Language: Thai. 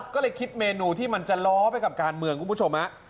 ก็เลยคิดเมนูที่มันจะล้อไปกับการเมืองคุณผู้ชมฮะ